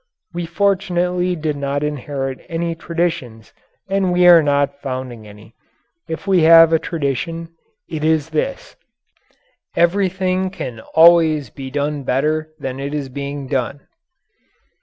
We fortunately did not inherit any traditions and we are not founding any. If we have a tradition it is this: Everything can always be done better than it is being done.